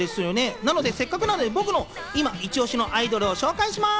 なのでせっかくなので、僕の今イチオシのアイドルをご紹介します。